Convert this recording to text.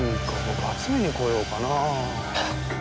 僕集めに来ようかな。